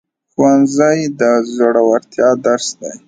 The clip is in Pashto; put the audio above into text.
ښوونځی د زړورتیا درس دی